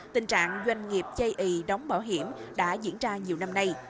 tình trạng doanh nghiệp chay ị đóng bảo hiểm đã diễn ra nhiều năm nay